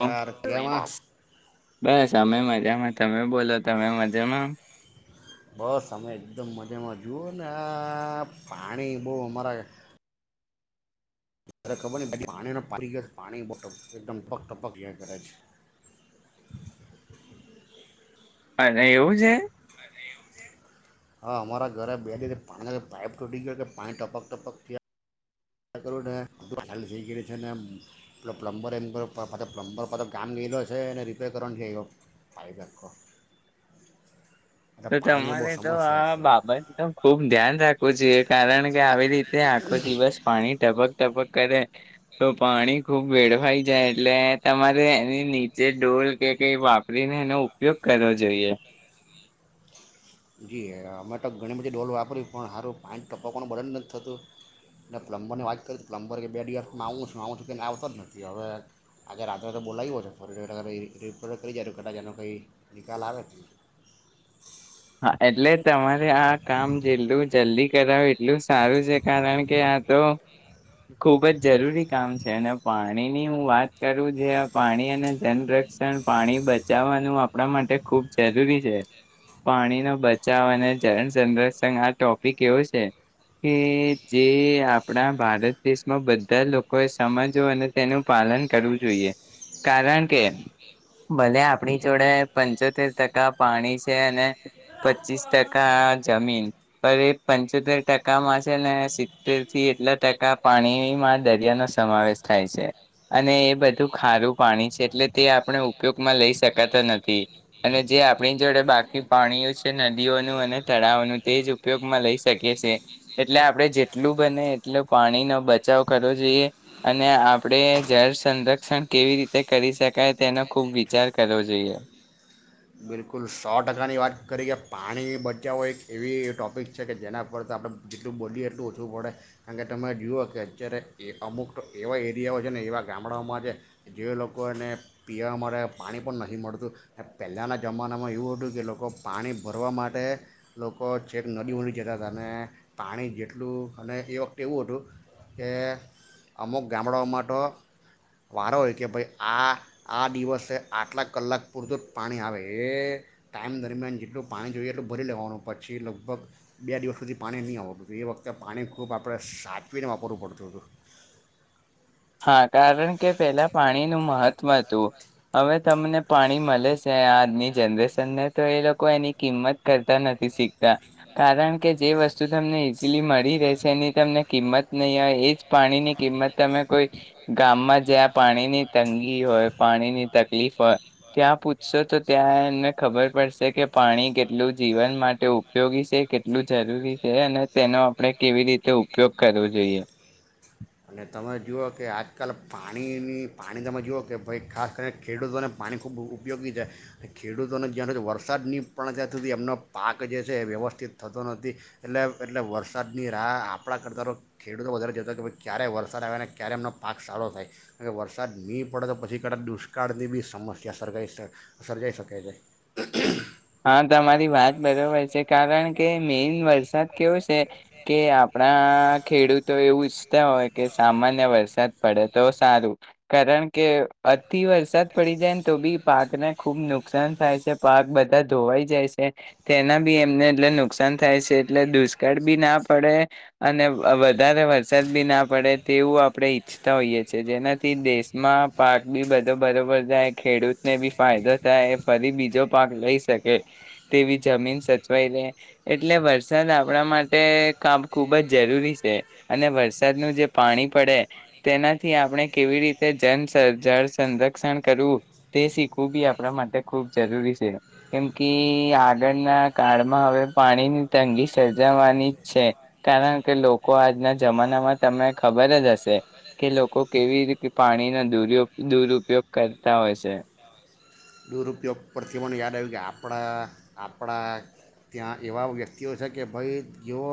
યાર કેમાં બસ. અમે મજામાં. તમે બોલો તમે મજામાં? બસ અમે એકદમ મજામાં જુઓ ને આ પાણી બહુ અમારા ત્યારે ખબર નહીં, પાછુ પાણીનો પાણી ગ પાણી બોટલ એકદમ ટક ટપક જ્યાં કરે છે. અને એવું છે. હા અમારા ઘરે બે દિવસે પાણીના જે પાઇપ ટૂટી ગયો કે પાણી ટપક ટપક થીયા કરુને ચાલ થઈ ગયુ એટલે છે ને પ્લ પ્લમબર એન પર પાછા પ્લમ્બર પાછા ગામ ગયેલો છે ને રિપેર કરવાનું છે એવા પાઈપ આખો એટલે તો પાણીની બહુ તમારે તો સમસ્યા આ છે બાબતનુ ખુબ ધ્યાન રાખવું જોઈએ કારણ કે આવી રીતે આખો દિવસ પાણી ટપક ટપક કરે તો પાણી ખુબ વેળવાઈ જાય એટલે તમારે એની નીચે ડોલ કે કઈ વાપરીને એનો ઉપયોગ કરવો જોઈએ. જી અમે તો ઘણી બધી ડોલ વાપરી પણ હારું પાંણી ટપકવાનું બંધ જ નથી થતું ને પ્લમબરની વાત કરી પ્લમ્બર કે બે દિવસમાં આવું છું આવું છું કેને આવતો જ નથી હવે આજે રાત્રે તો બોલાયવો છે ફરી રિ રિપેર કરી જાય તો કદાચ એનો કંઈ નિકાલ આવે જને હા, એટલે તમારે આ કામ જેટલું જલ્દી કરાવે એટલું સારું છે કારણ કે આ તો ખુબજ જરૂરી કામ છે અને પાણીની હું વાત કરું જે આ પાણી અને જનરક્ષણ પાણી બચાવવાનું આપણા માટે ખૂબ જરૂરી છે. પાણીનો બચાવ અને જરણ સંરક્ષણ આ ટોપિક એવો છે કે જે આપણા ભારત દેશમાં બધા લોકોએ સમજવા અને તેનું પાલન કરવું જોઈએ કારણ કે ભલે આપણી જોડે પંચોતેર ટકા પાણી છે અને પચીસ ટકા જમીન પર એ પંચોતેર ટકામાં છે ને સિત્તેરથી એટલા ટકા પાણીમાં દરિયાનો સમાવેશ થાય છે અને એ બધું ખારું પાણી છે એટલે તે આપણે ઉપયોગમાં લઈ શકાતો નથી અને જે આપણી જોડે બા કી પાણીઓ છે નદીઓનું અને તળાવનું તે જ ઉપયોગમાં લઈ શકીએ છે એટલે આપણે જેટલું બને એટલું પાણીનો બચાવ કરવો જોઈએ અને આપણે જળ સંરક્ષણ કેવી રીતે કરી શકાય તેનો ખૂબ વિચાર કરવો જોઈએ. બિલકુલ સો ટકાની વાત કરી કે પાણી બચાવો એક એવી ટૉપિક છે કે જેના પર આપણે જેટલું બોલીએ એટલું ઓછું પડે કારણ કે તમે જુઓ કે અત્યારે એ અમુક તો એવા એરિયાઓ છે ને એવા ગામડાઓમાં છે જે લોકોને પીવા માટે પાણી પણ નથી મળતું ને પહેલાંના જમાનામાં એવું હતું કે લોકો પાણી ભરવા માટે લોકો છેક નદી હુથી જતા હતા અને પાણી જેટલું અને એ વખતે એવું હતું કે અમુક ગામડાઓ માટો વારો હોય કે ભાઈ આ આ દિવસે આટલા કલાક પૂરતું જ પાણી આવે એ ટાઈમ દરમિયાન જેટલું પાણી જોઈએ એટલું ભરી લેવાનું પછી લગભગ બે દિવસ સુધી પાણી નહીં આવતું હતું એ વખતે પાણી ખૂબ આપણે સાચવીને વાપરવું પડતું હતું. હા કારણ કે પેલા પાણીનું મહત્વ હતું. અવે તમને પાણી મલે છે આજની જનરેશનને તો એ લોકો એની કિંમત કરતા નથી શીખતા કારણ કે જે વસ્તુ તમને ઈઝલી મળી રહે છે એની તમને કિંમત નહીં હોય એજ પાણીની કિંમત તમે કોઈ ગામમાં જ્યાં પાણીની તંગી હોય પાણીની તકલીફ હોય ત્યાં પૂછશો તો ત્યાં એમને ખબર પડશે કે પાણી કેટલું જીવન માટે ઉપયોગી છે કેટલું જરૂરી છે અને તેનો આપણે કેવી રીતે ઉપયોગ કરવો જોઈએ. અને તમે જુઓ કે આજકાલ પાણીની પાણી તમે જુઓ કે ભાઈ ખાસ કરીને ખેડૂતોને પાણી ખૂબ ઉ ઉપયોગી છે ખેડૂતોને જ્યાંરે વરસાદની પણ જયાં સુધી એમનો પાક જે છે એ વ્યવસ્થિત થતો નથી એટલે એટલે વરસાદની રાહ આપણા કરતા તો ખેડૂતો વધારે કેતા કે ભ ક્યારે વરસાદ આવે ને ક્યારે એમનો પાક સારો થાય કારણ કે વરસાદ ની પડે તો પછી કદાચ દુષ્કાળની બી સમસ્યા સર્ગાઈ સર્જાઈ શકે છે. હા તમારી વાત બરોબર છે કારણ કે મેઈન વરસાદ કેવો છે કે આપણા ખેડૂતો એવું ઈચ્છતા હોય કે સામાન્ય વરસાદ પડે તો સારું કારણ કે અતી વરસાદ પડી જાય ને તો બી પાકને ખુબ નુકસાન થાય છે. જે પાક બધ બધા ધોવાઈ જાય છે તેના બી એમને એટલે નુકસાન થાય છે એટલે દુષ્કાળ બી ના પડે અને વધારે વરસાદ બી ના પડે તેવું આપણે ઈચ્છતા હોઈએ છે જેનાથી દેશમાં પાક બી બધો બરોબર થાય ખેડૂતને બી ફાયદો થાય ફરી બીજો પાક લઈ શકે તેવી જમીન સચવાઈ રે એટલે વરસાદ આપણા માટે કામ ખૂબ જ જરૂરી છે અને વરસાદનું જે પાણી પડે તેનાથી આપણે કેવી રીતે જન સં જળ સંરક્ષણ કરવું તે શીખવું બી આપ આપણા માટે ખૂબ જરૂરી છે. કેમ કે આગળના કાળમાં હવે પાણીની તંગી સર્જાવાની જ છે કારણ કે લોકો આજના જમાનામાં તમને ખબર જ હશે કે લોકો કેવી રીતે પાણીનો દુરયો દુરુઉપયોગ કરતા હોય શે. દુરુઉપયોગ પરથી મને યાદ આવ્યું કે આપણા આપણા ત્યાં એવા વ્યક્તિઓ છે કે ભાઈ જેઓ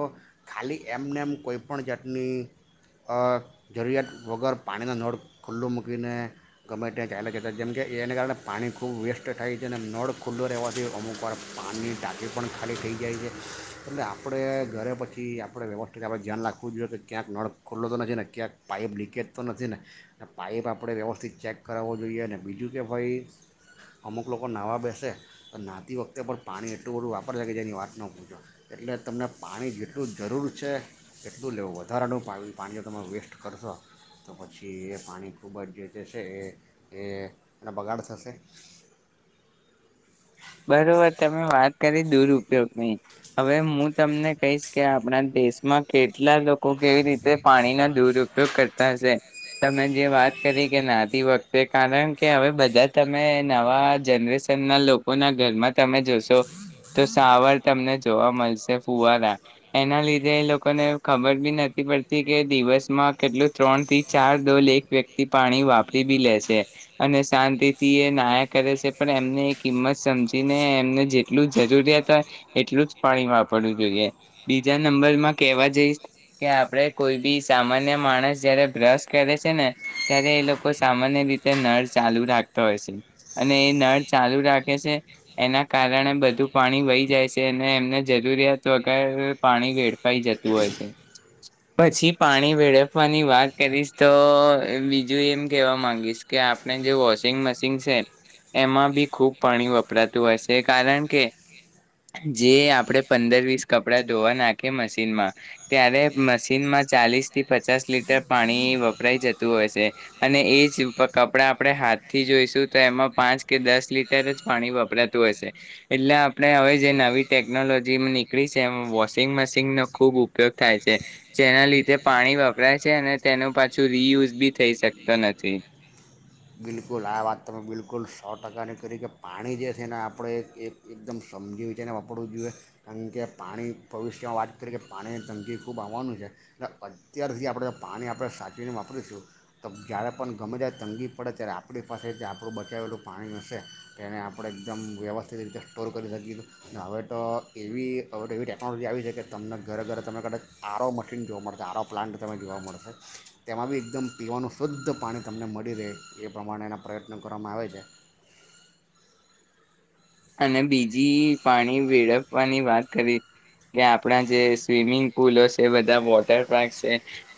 ખાલી એમને એમ કોઈપણ જાતની અ જરૂરિયાત વગર પાણીનો નળ ખુલ્લો મૂકીને ગમે તેં ચાલ્યા જતા જેમ કે એને કારણે પાણી ખૂબ વેસ્ટ થાય છે અને નળ ખુલ્લો રહેવાથી અમુકવાર પાણીની ટાંકી પણ ખાલી થઈ જાય છે એટલે આપણે ઘરે પછી આપણે વ્યવસ્થિત આપણે ધ્યાન રાખવું જોઈએ કે ક્યાંક નળ ખુલ્લો તો નથી ને ક્યાંક પાઇપ લીકેજ તો નથી ને પાઇપ આપણે વ્યવસ્થિત ચેક કરાવવો જોઈએ અને બીજું કે ભાઈ અમુક લોકો નાહવા બેસે તો નાહતી વખતે પણ પાણી એટલું બધું વાપરશે કે જેની વાત ન પૂછો એટલે તમને પાણી જેટલું જરૂર છે એટલું લેવું વધારાનું પાણી પાણી જો તમે વેસ્ટ કરશો તો પછી એ પાણી ખૂબ જ જે છે એ એ અને બગાડ થશે બરોબર તમે વાત કરી દુરઉપયોગની હવે હું તમને કહીશ કે આપણા દેશમાં કેટલા લોકો કેવી રીતે પાણીનો દુર ઉપયોગ કરતા હશે. તમે જે વાત કરી કે નાતી વખતે કારણ કે હવે બધા તમે નવા જનરેશન ના લોક કોના ઘરમાં તમે જોશો તો સાવાર તમને જોવા મળશે ફુવારા એના લીધે એ લોકોને ખબર બી નથી પડતી કે દિવસમાં કેટલું ત્રણ થી ચાર દોલ એક વ્યક્તિ પાણી વાપરી બી લેશે અને શાંતિથી એ નાયા કરે છે પણ એમને એમ સમજીને એમને જેટલું જરૂરિયાત હોય એટલું જ પાણી વાપરવું જોઈએ બીજા નંબરમાં કેવા જઈશ કે આપણે કોઈ બી સામાન્ય માણસ જયારે બ્રશ કરે છે ને ત્યારે એ લોકો સામાન્ય રીતે નળ ચાલુ રાખતા હોય છે અને એ નળ ચાલુ રાખ કેશે એના કારણે બધું પાણી વહી જાય છે અને એમને જરૂરિયાત વગર પાણી વેડફાઈ જતું હોય છે પછી પાણી વેડફવાની વાત કરીશ તો બીજું એમ કેવા માંગીશ કે આપણે જે વોશિંગ મશીન છે એમાં બી ખુબ પાણી વપરાતું હોયશે કારણ કે જે આપણે પંદર વીસ કપડા ધોવા નાખી મશીનમાં ત્યારે મશીનમાં ચાલીસથી પચાસ લીટર પાણી વપરાઈ જતું હોય છે અને એજ પર કપડા આપણે હાથથી ધોઈશું તો એમાં પાંચ કે દસ લીટ અત્યારે જ પાણી વપરાતું હશે એટલે આપણે હવે જે નવી ટેકનોલોજી નીકળી છે એમાં વોશિંગ મશીનનો ખૂબ ઉપયોગ થાય છે જેના લીધે પાણી વપરાય છે અને તેનું પાછું રીયુઝ બી થઈ શકતો નથી. બિલકુલ આ વાત તમે બિલકુલ સો ટકાની કરી કે પાણી જે છે એને આપણે એક એકદમ સમજી વિચારને વાપરવું જોઈએ કારણ કે પાણી ભવિષ્યમાં વાત કરી કે પાણીની તંગી ખૂબ આવવાનું છે એ અત્યાર સુધી આપણે પાણી આપણે સાચવીને વાપરીશું તો જ્યારે પણ ગમે ત્યારે તંગી પડે ત્યારે આપણી પાસે જે આપણું બચાવેલું પાણીનુંશે તે એને આપણે એકદમ વ્યવસ્થિત રીતે સ્ટોર કરી શકીએશું હવે તો એવી હવે તો એવી ટેકનોલોજી આવી છે કે તમને ઘરે ઘરે તમને કદાચ આરો મશીન જોવા મળશે આરો પ્લાન્ટ તમે જોવા મળશે તેમાં બી એકદમ પીવાનું શુદ્ધ પાણી તમને મળી રહે એ પ્રમાણે એના પ્રયત્નો કરવામાં આવે છે અને બીજી પાણી વેળવવાની વાત કરી કે આપણા જે સ્વિમિંગ પુલો છે બધા વોટર પાર્ક છે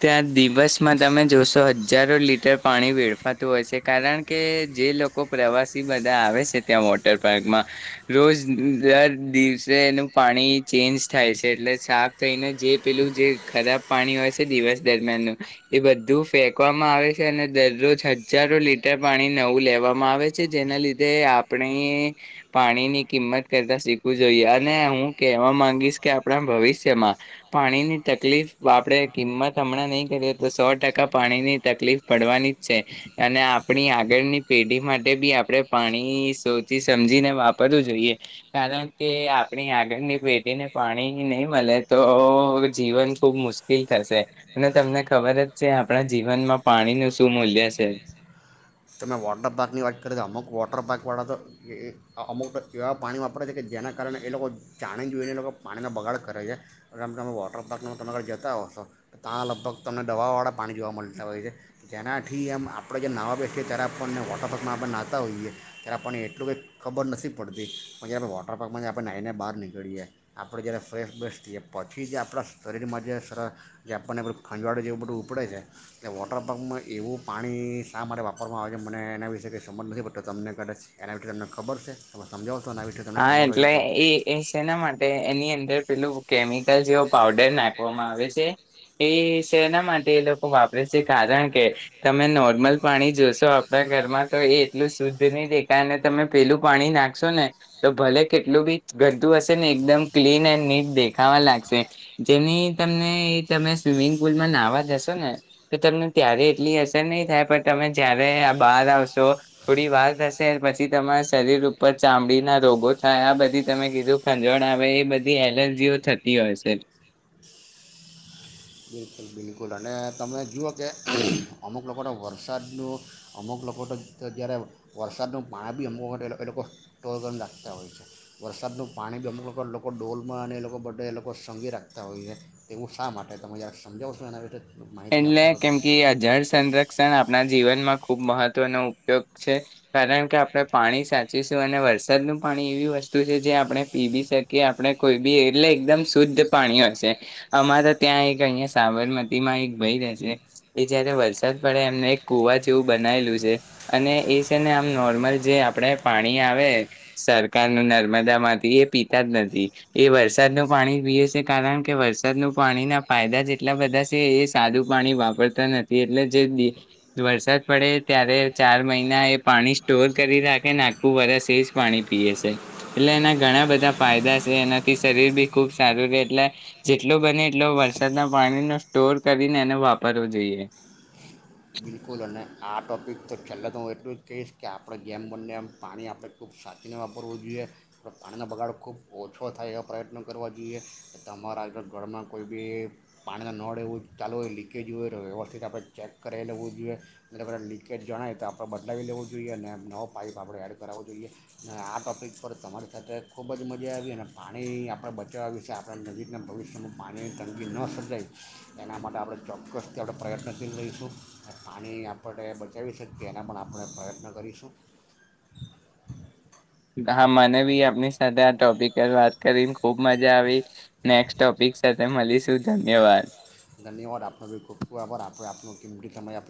ત્યાં દિવસમાં તમે જોશો હજારો લીટર પાણી વેળફાતું હોય છે કારણ કે જે લોકો પ્રવાસી બધા આવે છે ત્યાં વોટર પાર્કમાં. રોજ દર દિવસે એનું પાણી ચેન્જ થાય છે એટલે સાફ થઈને જે પેલું જે ખરાબ પાણી હોય છે દિવસ દરમિયાનનું એ બધું ફેંકવામાં આવે છે અને દરરોજ હજારો લીટર પાણી નવું લેવામાં આવે છે જેના લીધે આપણે. પાણી ની કિંમત કરતા શીખવું જોઈએ અને હું કહેવા માંગીશ કે આપણા ભવિષ્યમાં પાણીની તકલીફ આપણેે કિંમત હમણાં નહીં કરીએ તો સો ટકા પાણીની તકલીફ પડવાની જ છે અને આપણી આગળની પેઢી માટે બી આપણે પાણી સોચી સમજીને વાપરવું જોઈએ કારણ કે આપણી આગળની પેઢીને પાણી નહીં મળે તો જીવન ખુબ મુશ્કેલ થશે અને તમને ખબર જ છે આપણા જીવનમાં પાણીનું શું મૂલ્ય છે. તમે વોટર પાર્કની વાત કરી તો અમુક વોટર પાર્કવાળા તો એ અમુક તો એવા પાણી વાપરે છે કે જેના કારણે એ લોકો જાણી જોઈને એ લોકો પાણીનો બગાડ કરે છેમ તમે વોટર પાર્કનો તરા ઘર જતા હોશો તો ત્યાં લગભગ તમને દવાવાળા પાણી જોવા મળતા હોય છે જેનાથી એમ આપણે જે નવા બે. કે ત્યારે આપણને વોટર પાર્કમાં આપણે નાહતા હોઈએ ત્યારે આપણને એટલું કંઈ ખબર નથી પડતી પણ જ્યારે આપ વોટર પારકમાં જ આપણે નાહીને બહાર નીકળીએ આપણે જ્યારે ફ્રેશ બસતીએ પછી જે આપણા શરીરમાં જે સર જે આપણને ખંજવાડું જેવું બધું ઉપડે છે ત વોટર પાર્કમાં એવું પાણી શા માટેરે વાપર. ખરમાં આવેજ મને એના વિશે ક સમબંધ નથી બ તો તમને કરે છે એના વિશે તમને ખબર છે ત સમજાવો. હા એટલે એ છેના માટે એની અંદર પેલું. કેમિકલ જેવ. પાવડર નાખવામાં આવે છે. એ શ એના માટે એ લોકો વાપરે છે કારણ કે તમે નોર્મલ પાણી જોશો. આપ ઘરમાં તો એટલું શુદ્ધ નહીં દે કાર. તમે પેલું પાણી નાખશો ને. તો ભલે કેટલું બી ગતું હશે ને એકદમ ક્લીન એન્ડ નીટ દેખાવા લાગશે જેની તમને તમે સ્વિમિંગ પુલમાં નાહવા જશો ને તો તમને ત્યારે એટલી અસર નહીં થાય પણ તમે જયારે આ બહાર આવશો થોડી વાર થશે પછી તમારા શરીર ઉપર ચામડીના. રોગો થાય આ બધી તમે કીધું ખંજવણ આવે એ બધી એલર્જીઓ થતી હોય છે. બિલકુલ બિલકુલ અને તમે જુઓ કે અમુક લોકોને વરસાદનું અમુક લોકો તો જ્યારે વરસાદનું પાણી બી અમુક વખત એ લોકો ટોળગમ રાખતા હોય છે વરસાદનું પાણી બી અમુક વખત લોકો ડોલમાં અને એ લોકો બે એ લોકો સઘી રાખતા હોય છે એવું શા માટે તમે જ. [inaudible] એટલે કેમ કે અ જળ સંરક્ષણ આપણા જીવનમાં ખુબ મહત્વ. નો ઉપયોગ છે કારણ કે આપણે પાણી સાચીશું અને વરસાદનું પાણી એવી વસ્તુ છે જે આપણે પીવી શકીએ આપણે કોઈ બી એટલે એકદમ શુદ્ધ પાણી હશે અમારા ત્યાં એક અહિયાંયા સાબરમતીમાં એક. એ જયારે વરસાદ પડે એમને એક કુવા જેવું બનાયલું છે અને એ છે ને આમ નોર્મલ જે આપણે પાણી આવે સરકારનું નર્મદા માંથી એ પીતા જ નથી એ વરસાદનું પાણી પીએ છે કારણ કે વરસાદનું પાણીના ફાયદા જેટલા બધા છે એ. સાદું પાણી વાપરતા નથી એટલે જે વરસાદ પડે ત્યારે ચાર મહિના એ પાણી સ્ટોર કરી રાખે ને આખું વરષ એ જ પાણી પીએ છે એટલે એના ઘણા બધા ફાયદા છે એનાથી શરીર બી ખૂબ સારું રહે એટલે જેટલો બને એટલો વરસાદના પાણીનો સ્ટોર. કરીને એનો વાપરવો જોઈએ. બિલકુલ અને આ ટોપિક તો છેલ્લા તો હું એટલું જ કહીશ કે આપણે જેમ બંને એમ પાણી આપણે ખૂબ સાચીને વાપરવું જોઈએ આપ પાણીનો બગાડ ખૂબ ઓછો થાય એવા પ્રયત્નો કરવા જોઈએ તમારા ઘરમાં કોઈ બી પાણીના નળ એવું ચાલુ હોય લીકેજ હોય વ્યવસ્થિત આપણે ચેક કરાવી લેવું. જોએ મલબ આપણે લીકેજ જણાય તો આપણે બદલાવી લેવો જોઈએ અને નવો પાઇપ આપણે એડ કરાવવો જોઈએ અને આ ટોપિક પર તમારી સાથે ખૂબ જ મજા આવી અને પાણી આપણે બચાવવા વિશે આપણે નજીકના ભવિષ્યમાં પાણીની તંગી ન સર્જાય એના માટે આપણે ચોક્કસથી આપણે પ્રયત્નશીલ રહીશું. પાણી આપણે બચાવી શકીએ એના પણ આપણે પ્રયત્ન કરીશું. હા મને બી આપની સાથે આ ટોપિક પર વાત કરી ખુબ મજા આવી નેક્સ્ટ ટોપિક સાથે મળીશું ધન્યવાદ. ધન્યવાદ આપનો બી ખૂબ ખૂબ આભાર આપે આપણો કીમતી સમય આપીએ